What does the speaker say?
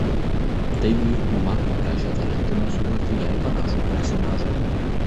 Taigi Uma paprašė Tarantino sukurti jai panašų personažą.